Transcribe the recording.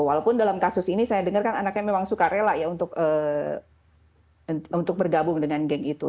walaupun dalam kasus ini saya dengarkan anaknya memang suka rela ya untuk bergabung dengan geng itu